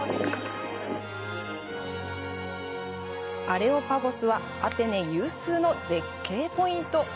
アレオパゴスはアテネ有数の絶景ポイント。